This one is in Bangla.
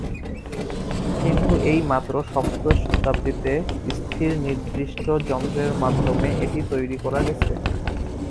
কিন্তু এই মাত্র সপ্তদশ শতাব্দীতে স্থির নির্দিষ্ট যন্ত্রের মাধ্যমে এটি তৈরি করা গেছে।